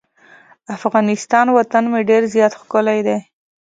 افغانستان وطن مې ډیر زیات ښکلی دی.